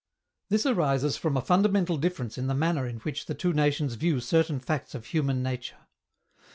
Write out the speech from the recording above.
This arises from a fundamental difference in the manner in which the two nations view certain facts of human nature.